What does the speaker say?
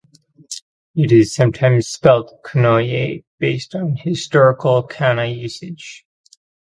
It is sometimes spelled "Konoye" based on historical kana usage.